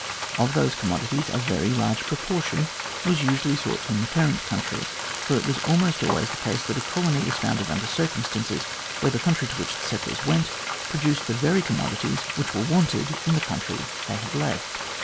Of those commodities a very large proportion was usually sought from the parent country, for it was almost always the case that a colony was founded under circumstances where the country to which the settlers went produced the very commodities which were wanted in the country they had left.